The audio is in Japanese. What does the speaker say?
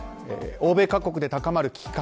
欧米各国で高まる危機感。